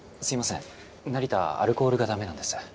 すみません成田アルコールがダメなんです。